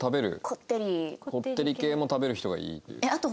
こってり系も食べる人がいい。